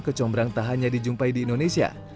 kecombrang tak hanya dijumpai di indonesia